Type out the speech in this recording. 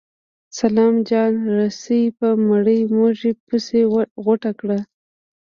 سلام جان رسۍ په مړې مږې پسې غوټه کړه.